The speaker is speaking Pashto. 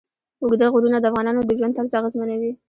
اوږده غرونه د افغانانو د ژوند طرز اغېزمنوي.